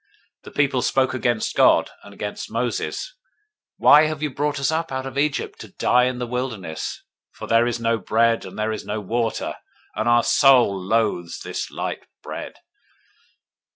021:005 The people spoke against God, and against Moses, Why have you brought us up out of Egypt to die in the wilderness? for there is no bread, and there is no water; and our soul loathes this light bread.